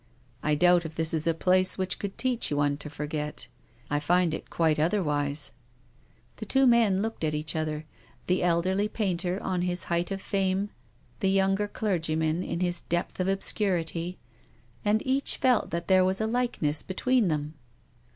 " I doubt if this is a place which could teach one to forget. I find it quite otherwise." The two men looked at each other, the elderly painter on his height of fame, the young clergyman in his depth of obscurity, and each felt that there was a likeness between them.